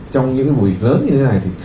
trong những cái vụ dịch lớn như thế này thì